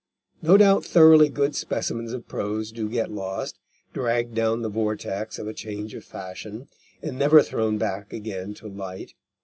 No doubt thoroughly good specimens of prose do get lost, dragged down the vortex of a change of fashion, and never thrown back again to light.